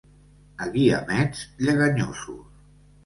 A Guiamets, lleganyosos.